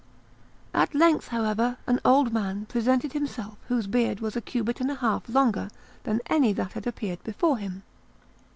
At length, however, an old man presented himself whose beard was a cubit and a half longer than any that had appeared before him.